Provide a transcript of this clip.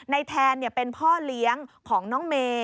แทนเป็นพ่อเลี้ยงของน้องเมย์